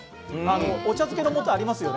お茶漬けのもとがありますよね。